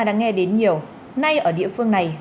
đã nghe đến nhiều nay ở địa phương này